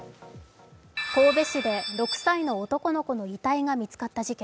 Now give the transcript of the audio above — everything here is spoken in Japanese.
神戸市で６歳の男の子の遺体が見つかった事件。